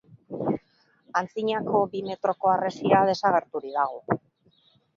Antzinako bi metroko harresia desagerturik dago.